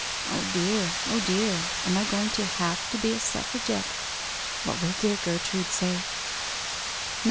.•. Oh dear, oh dear, am I going to have to be a Suffra gette I What will dear Gertrude say?"